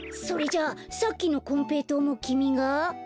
それじゃあさっきのこんぺいとうもきみが？